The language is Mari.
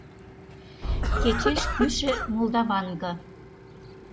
КЕЧЕШ КӰШӦ МОЛДАВАНКА